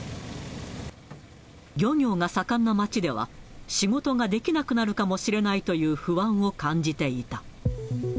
漁業が盛んな町では、仕事ができなくなるかもしれないという不安を感じていた。